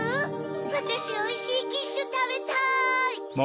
わたしおいしいキッシュたべたい！